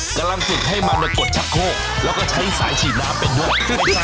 กำลังฝึกให้มันกดชักโค้ง